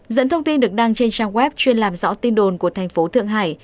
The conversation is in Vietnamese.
dẫn thông tin được đăng trên trang web chuyên làm rõ tin đồn của thành phố thượng hải